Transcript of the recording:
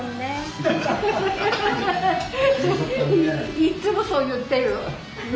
いっつもそう言ってる。ね？